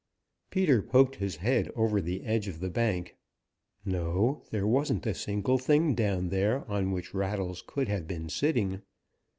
Peter poked his head over the edge of the bank. No, there wasn't a single thing down there on which Rattles could have been sitting.